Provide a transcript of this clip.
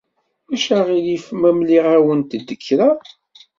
Ulac aɣilif ma mliɣ-awent-d kra?